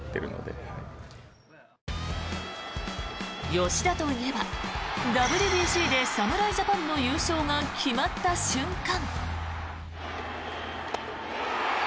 吉田と言えば、ＷＢＣで侍ジャパンの優勝が決まった瞬間。